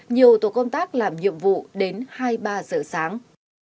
nhiều tổ công tác làm nhiệm vụ đến hai ba giờ sáng